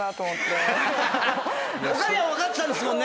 おかみは分かってたんですもんね。